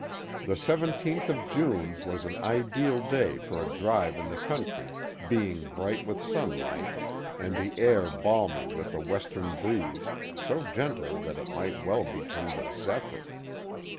The 17th of June was an ideal day for a drive in the country, being bright with sunlight and the air balmy with a western breeze, so gentle that it might well be termed a zephyr.